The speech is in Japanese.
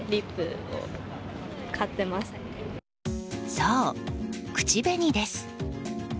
そう、口紅です。